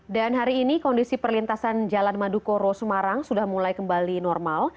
dan hari ini kondisi perlintasan jalan madukoro semarang sudah mulai kembali normal